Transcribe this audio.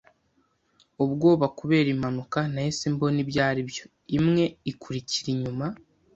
ubwoba kubera impanuka; nahise mbona ibyo aribyo. Imwe, ikurikira inyuma